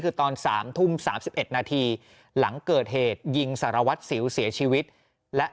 คือตอน๓ทุ่ม๓๑นาทีหลังเกิดเหตุยิงสารวัตรสิวเสียชีวิตและ